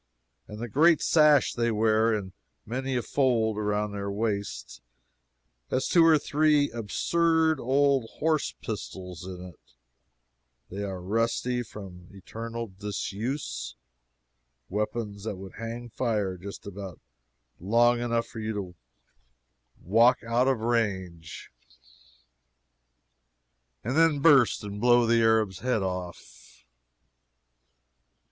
And the great sash they wear in many a fold around their waists has two or three absurd old horse pistols in it that are rusty from eternal disuse weapons that would hang fire just about long enough for you to walk out of range, and then burst and blow the Arab's head off.